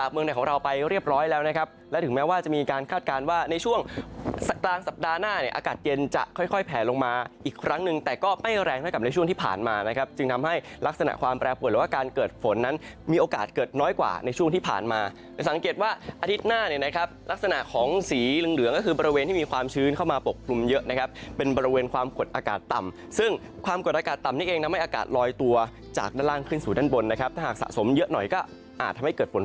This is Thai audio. เรียบร้อยแล้วนะครับและถึงแม้ว่าจะมีการคาดการณ์ว่าในช่วงสัปดาห์หน้าเนี่ยอากาศเย็นจะค่อยแผลลงมาอีกครั้งหนึ่งแต่ก็ไม่แรงเท่ากับในช่วงที่ผ่านมานะครับจึงทำให้ลักษณะความแปรปวดหรือว่าการเกิดฝนนั้นมีโอกาสเกิดน้อยกว่าในช่วงที่ผ่านมาสังเกตว่าอาทิตย์หน้าเนี่ยนะครับลัก